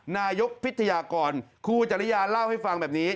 นายกพิทยากรครูจริยาเล่าให้ฟังแบบนี้